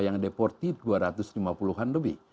para deportis dua ratus lima puluh an lebih